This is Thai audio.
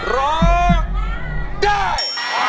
ร้องได้